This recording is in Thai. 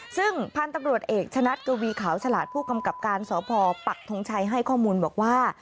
ซึ่งพันธุ์ตำรวจเอกชะนัดกวีขาวฉลาดผู้กำกับการสพปักทงชัยให้ข้อมูลบอกว่า